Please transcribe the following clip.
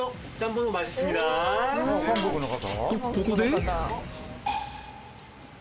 とここで